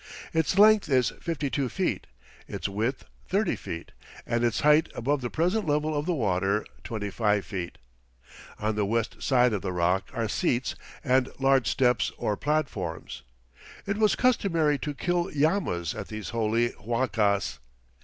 Its length is fifty two feet, its width thirty feet, and its height above the present level of the water, twenty five feet. On the west side of the rock are seats and large steps or platforms. It was customary to kill llamas at these holy huacas.